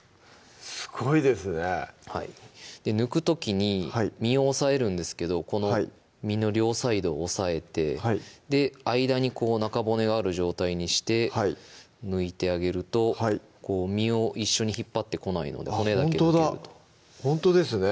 すごいですね抜く時に身を押さえるんですけどこの身の両サイドを押さえて間に中骨がある状態にして抜いてあげると身を一緒に引っ張ってこないので骨だけ抜けるとほんとですね